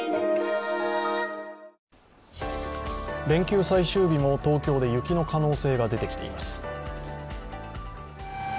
連休最終日も東京で雪の可能性が出てきています。